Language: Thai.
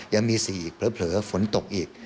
ยังมี๔อีกเผลอฝนตกอีก